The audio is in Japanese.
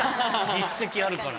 実績あるからな。